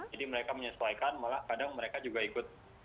jadi mereka menyesuaikan malah kadang mereka juga ikut